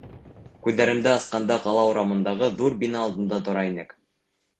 Күҙҙәремде асҡанда ҡала урамындағы ҙур бина алдында тора инек.